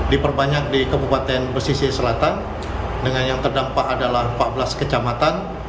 diperbanyak di kabupaten pesisir selatan dengan yang terdampak adalah empat belas kecamatan